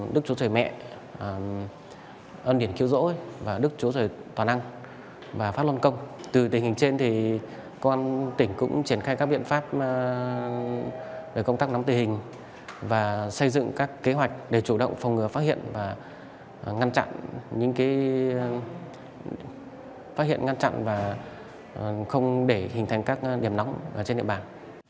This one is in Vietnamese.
để công tác nắm tình hình và xây dựng các kế hoạch để chủ động phòng ngừa phát hiện và ngăn chặn những cái phát hiện ngăn chặn và không để hình thành các điểm nóng trên địa bàn